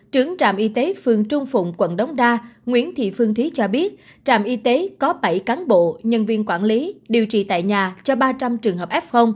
trưởng trạm y tế phường trung phụng quận đống đa nguyễn thị phương thí cho biết trạm y tế có bảy cán bộ nhân viên quản lý điều trị tại nhà cho ba trăm linh trường hợp f